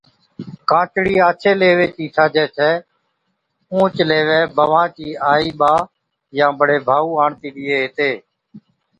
ڪانچڙِي آڇي ليوي چِي ٺاھجَي ڇَي۔ اُونھچ ليوَي بھوان چي آئِي ٻا يا بڙي ڀائُو آڻتِي ڏيئي ھِتي